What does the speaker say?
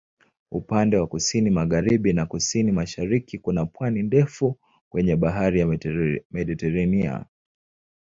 Upande wa kusini-magharibi na kusini-mashariki kuna pwani ndefu kwenye Bahari ya Mediteranea.